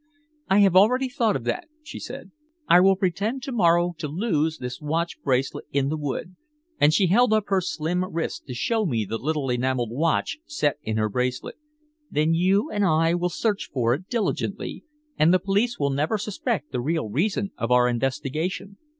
"I have already thought of that," she said. "I will pretend to morrow to lose this watch bracelet in the wood," and she held up her slim wrist to show me the little enameled watch set in her bracelet. "Then you and I will search for it diligently, and the police will never suspect the real reason of our investigation.